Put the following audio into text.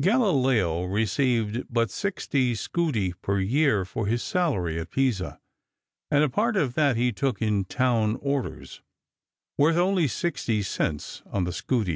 Galileo received but 60 scudi per year for his salary at Pisa, and a part of that he took in town orders, worth only 60 cents on the scudi.